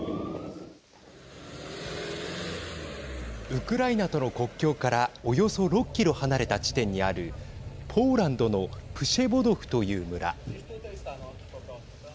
ウクライナとの国境からおよそ６キロ離れた地点にあるポーランドのプシェボドフという村。